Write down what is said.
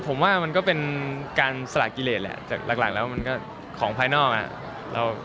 ผมว่ามันก็เป็นการสละกิเลสแหละจากหลักแล้วมันก็ของภายนอกอ่ะ